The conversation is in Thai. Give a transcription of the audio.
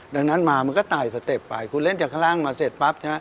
ดังนั้นมามันก็ตายสเต็ปไปคุณเล่นจากข้างล่างมาเสร็จปั๊บใช่ไหม